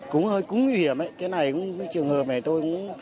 cũng hơi cũng nguy hiểm ấy cái này cũng trường hợp này tôi cũng